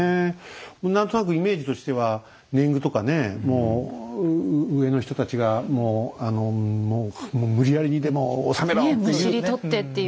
何となくイメージとしては年貢とかねもう上の人たちがもうもう無理やりにでも納めろっていう。